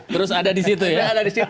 terus ada di situ ya